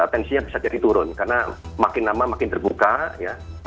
tensinya bisa jadi turun karena makin lama makin terbuka ya